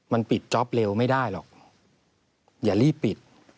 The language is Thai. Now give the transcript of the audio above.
มันปิดจ๊อปเร็วไม่ได้หรอกอย่ารีบปิด